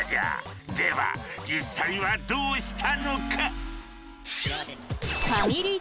では実際はどうしたのか？